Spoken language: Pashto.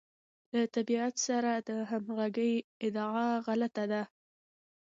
له طبیعت سره د همغږۍ ادعا غلطه ده.